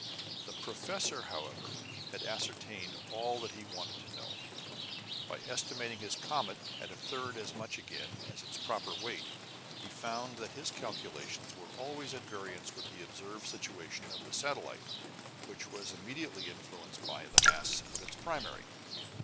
The professor, however, had ascertained all that he wanted to know. By estimating his comet at a third as much again as its proper weight, he had found that his calculations were always at variance with the observed situation of the satellite, which was immediately influenced by the mass of its primary.